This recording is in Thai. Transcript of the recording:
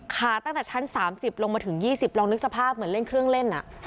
ขาดตั้งแต่ชั้นสามสิบลงมาถึงยี่สิบลองนึกสภาพเหมือนเล่นเครื่องเล่นอ่ะ